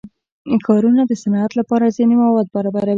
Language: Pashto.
ښارونه د صنعت لپاره ځینې مواد برابروي.